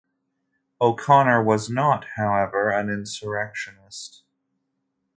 O'Connor was not, however, an insurrectionist.